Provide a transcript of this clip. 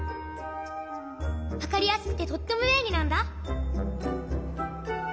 わかりやすくてとってもべんりなんだ。